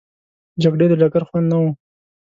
د جګړې د ډګر خوند نه وو.